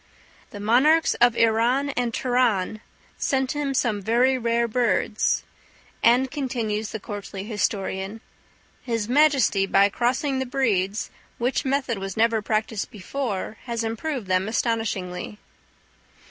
"The monarchs of Iran and Turan sent him some very rare birds;" and, continues the courtly historian, "His Majesty, by crossing the breeds, which method was never practised before, has improved them astonishingly."